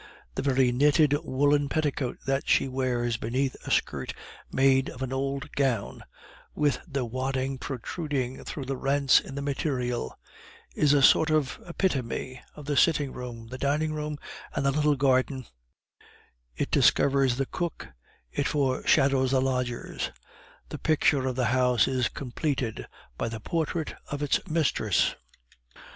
The very knitted woolen petticoat that she wears beneath a skirt made of an old gown, with the wadding protruding through the rents in the material, is a sort of epitome of the sitting room, the dining room, and the little garden; it discovers the cook, it foreshadows the lodgers the picture of the house is completed by the portrait of its mistress.